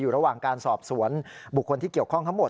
ระหว่างการสอบสวนบุคคลที่เกี่ยวข้องทั้งหมด